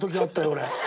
俺。